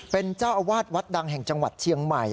เป็นเจ้าอาวาสวัดดังแห่งจังหวัดเชียงใหม่